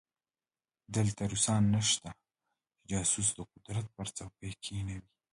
دلته روسان نشته چې جاسوس د قدرت پر څوکۍ کېنوي.